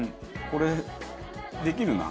これできるな。